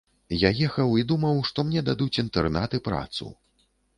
Я ехаў і думаў, што мне дадуць інтэрнат і працу.